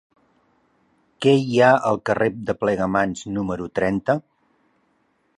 Què hi ha al carrer de Plegamans número trenta?